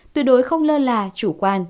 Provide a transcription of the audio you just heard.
tuy đối không lơ là chủ quan